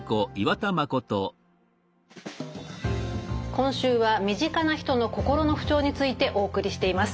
今週は身近な人の心の不調についてお送りしています。